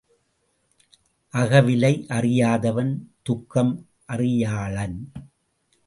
அகவிலை அறியாதவன் துக்கம் அறியாளன்.